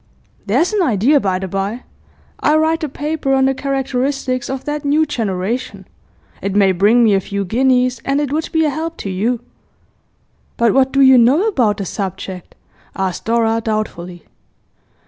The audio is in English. There's an idea, by the bye. I'll write a paper on the characteristics of that new generation; it may bring me a few guineas, and it would be a help to you.' 'But what do you know about the subject?' asked Dora doubtfully.